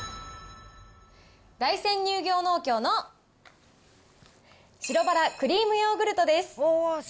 大山乳業農協の白バラクリームヨーグルトです。